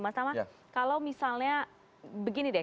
mas tama kalau misalnya begini deh